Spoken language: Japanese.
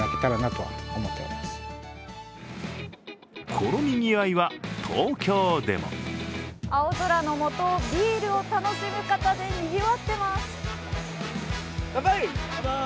このにぎわいは東京でも青空の下、ビールを楽しむ方でにぎわっています。